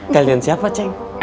kalian siapa ceng